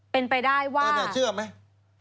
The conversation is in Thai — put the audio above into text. เป็นไปได้ว่าเชื่อไหม